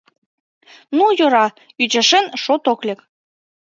— Ну, йӧра, ӱчашен, шот ок лек.